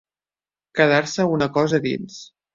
Quedar-se una cosa a dins.